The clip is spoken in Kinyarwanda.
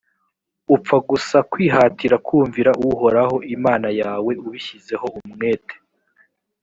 upfa gusa kwihatira kumvira uhoraho imana yawe ubishyizeho umwete,